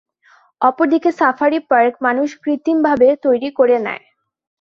অপরদিকে safari park মানুষ কৃত্রিমভাবে তৈরি করে নেয়।